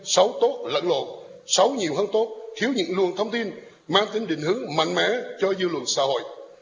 xấu tốt lẫn lộn xấu nhiều hơn tốt thiếu những luồng thông tin mang tính định hướng mạnh mẽ cho dư luận xã hội